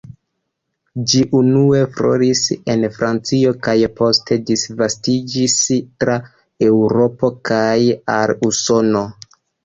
Ĝi unue floris en Francio kaj poste disvastiĝis tra Eŭropo kaj al Usono.